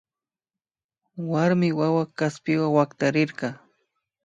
Warmi wawa kaspiwa waktarirka